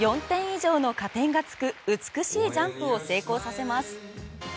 ４点以上の加点がつく美しいジャンプを成功させます。